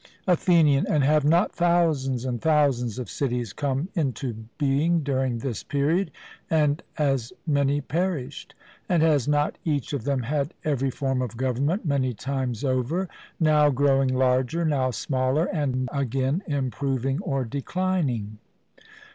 ATHENIAN: And have not thousands and thousands of cities come into being during this period and as many perished? And has not each of them had every form of government many times over, now growing larger, now smaller, and again improving or declining?